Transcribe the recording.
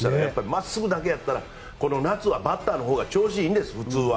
真っすぐだけだったらこの夏はバッターのほうが調子がいいんです、普通は。